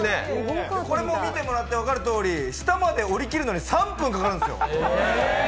これも見てもらうと分かるとおり、下までおりきるのに３分かかるんですよ。